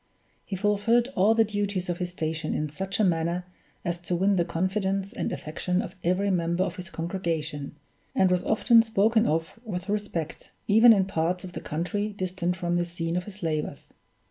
He fulfilled all the duties of his station in such a manner as to win the confidence and affection of every member of his congregation, and was often spoken of with respect, even in parts of the country distant from the scene of his labors.